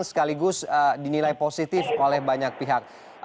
sekaligus dinilai positif oleh banyak pihak